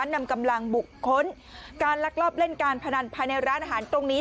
นำกำลังบุคคลการลักลอบเล่นการพนันภายในร้านอาหารตรงนี้